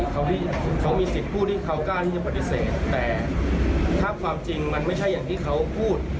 เขาที่เขามีสิทธิ์พูดที่เขากล้าที่จะปฏิเสธแต่ถ้าความจริงมันไม่ใช่อย่างที่เขาพูด